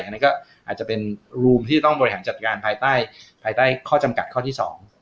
อันนี้ก็อาจจะเป็นรูมที่จะต้องบริหารจัดการภายใต้ภายใต้ข้อจำกัดข้อที่สอง